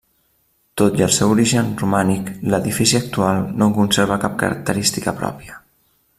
Tot i el seu origen romànic, l'edifici actual no en conserva cap característica pròpia.